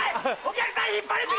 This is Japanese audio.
お客さん引っ張り過ぎ！